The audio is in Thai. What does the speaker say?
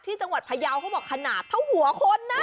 จังหวัดพยาวเขาบอกขนาดเท่าหัวคนนะ